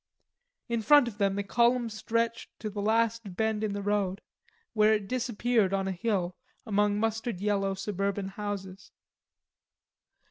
In front of them the column stretched to the last bend in the road, where it disappeared on a hill among mustard yellow suburban houses.